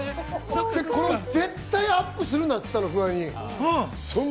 絶対アップするなって言ったの、フワに。